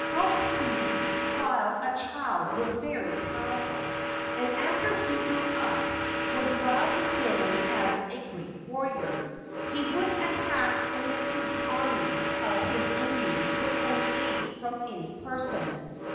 Hau pu while a child was very powerful, and after he grew up was widely known as a great warrior. He would attack and defeat armies of his enemies without aid from any person.